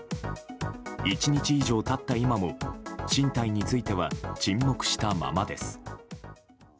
１日以上経った今も進退については沈黙したままです。